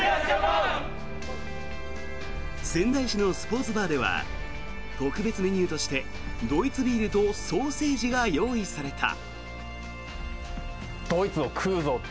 仙台市のスポーツバーでは特別メニューとしてドイツビールとソーセージが用意された。